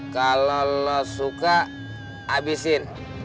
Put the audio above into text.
kalau lo suka abisin